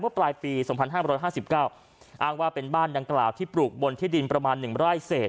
ปลายปี๒๕๕๙อ้างว่าเป็นบ้านดังกล่าวที่ปลูกบนที่ดินประมาณ๑ไร่เศษ